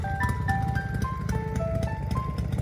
更多的形式和等价公式请参见单独条目乘积拓扑。